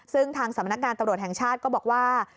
ซึ่งทางสำนักงานตำรวจแห่งชาติก็บอกว่า